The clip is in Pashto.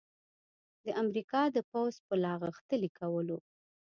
د امریکا د پوځ په لاغښتلي کولو